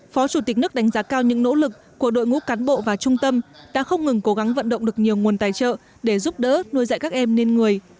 phó chủ tịch nước đánh giá cao những nỗ lực của đội ngũ cán bộ và trung tâm đã không ngừng cố gắng vận động được nhiều nguồn tài trợ để giúp đỡ nuôi dạy các em lên người